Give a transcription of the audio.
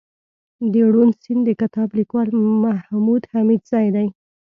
دروڼ سيند دکتاب ليکوال محمودحميدزى دئ